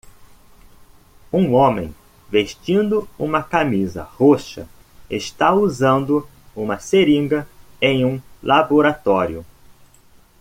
Um homem vestindo uma camisa roxa está usando uma seringa em um laboratório.